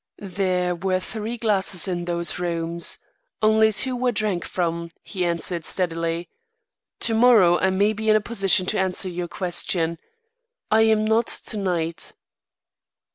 "There were three glasses in those rooms. Only two were drank from," he answered, steadily. "Tomorrow I may be in a position to answer your question. I am not to night."